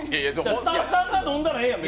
スタッフさんが飲んだらええやん。